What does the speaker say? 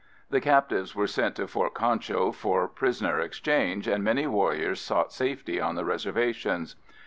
The captives were sent to Fort Concho for prisoner exchange, and many warriors sought safety on the reservations.